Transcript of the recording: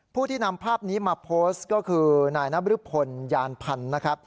ผู้ที่นำภาพนี้มาโพสต์ก็คือนายนบริพลยานพันธุ์นะครับ